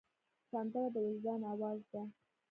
سندره د وجدان آواز ده